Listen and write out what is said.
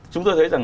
chúng tôi thấy rằng